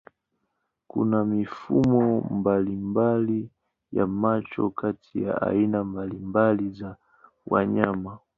Kuna mifumo mbalimbali ya macho kati ya aina mbalimbali za wanyama.